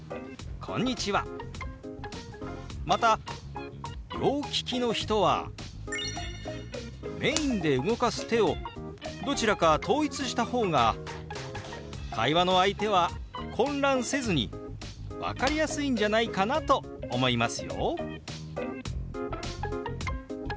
また両利きの人はメインで動かす手をどちらか統一した方が会話の相手は混乱せずに分かりやすいんじゃないかなと思いますよ！